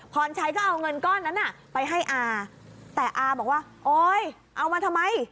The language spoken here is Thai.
พรชัยก็เอาเงินก้อนนั้นไปให้อาแต่อาบอกว่าโอ๊ยเอามาทำไม